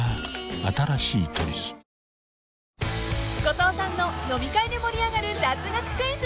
新しい「トリス」［後藤さんの飲み会で盛り上がる雑学クイズ］